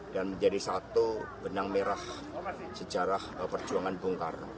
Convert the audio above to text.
dan menjadi satu benang merah sejarah perjuangan bung karno